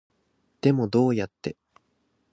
でもどうやって